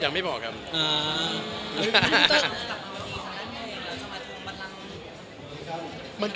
ด้านนี้พองามบนที่แดก